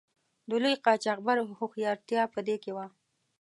د لوی قاچاقبر هوښیارتیا په دې کې وه.